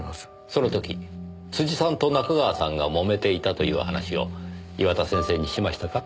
その時辻さんと仲川さんがもめていたという話を岩田先生にしましたか？